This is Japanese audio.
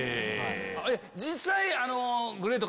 実際。